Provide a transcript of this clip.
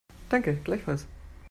Danke, gleichfalls.